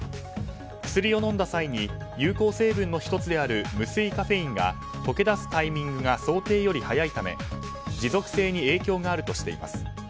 薬を飲んだ際に有効成分の１つである無水カフェインが溶け出すタイミングが想定より早いため持続性に影響があるとしています。